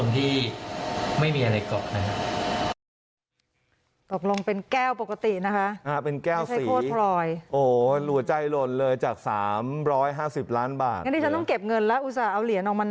นี่ฉันต้องเก็บเงินแล้วอุตส่าห์เอาเหรียญออกมานะ